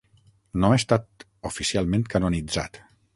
No ha estat oficialment canonitzat.